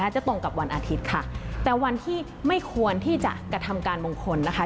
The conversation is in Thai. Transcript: จะตรงกับวันอาทิตย์ค่ะแต่วันที่ไม่ควรที่จะกระทำการมงคลนะคะ